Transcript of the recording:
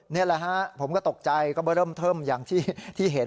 นี่แหละฮะผมก็ตกใจก็เบอร์เริ่มเทิมอย่างที่เห็น